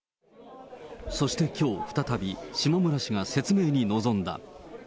そしてきょう、再び、下村氏が説明に臨んだ。